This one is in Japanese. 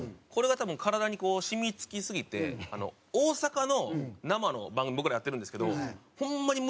これが多分体にこう染み付きすぎて大阪の生の番組僕らやってるんですけどホンマ